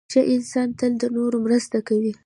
• ښه انسان تل د نورو مرسته کوي.